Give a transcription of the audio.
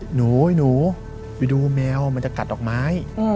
หนูไปดูแมวมันจะกัดดอกไม้